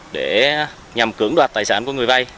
để nhằm cưỡng đoạt tài sản của người vai